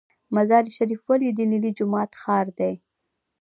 مزار شریف ولې د نیلي جومات ښار دی؟